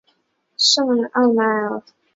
圣莱奥纳尔。